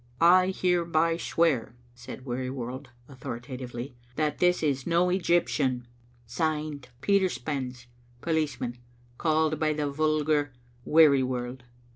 "I hereby swear," said Wearyworld, authoritatively, " that this is no the Egyptian. Signed, Peter Spens, policeman, called by the vulgar, Wearsrworld.